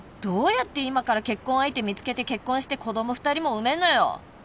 どうやって今から結婚相手見つけて結婚して子供２人も産めんのよ